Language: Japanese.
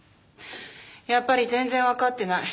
やっぱり全然わかってない。